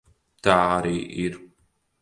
Tā arī ir.